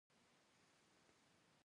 کارکوونکی د استراحت حق لري.